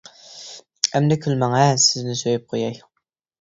ئەمدى كۈلمەڭ ھە سىزنى سۆيۈپ قوياي.